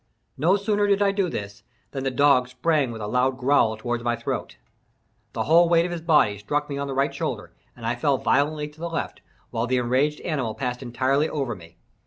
No sooner did I do this, than the dog sprang with a loud growl toward my throat. The whole weight of his body struck me on the right shoulder, and I fell violently to the left, while the enraged animal passed entirely over me.